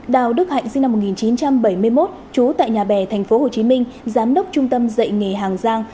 đào đức hạnh sinh năm một nghìn chín trăm bảy mươi một trú tại nhà bè tp hcm giám đốc trung tâm dạy nghề hàng giang